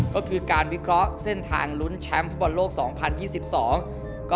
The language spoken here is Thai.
ก็คือการวิเคราะห์เส้นทางลุ้นแชมป์ฟุตบอลโลก๒๐๒๒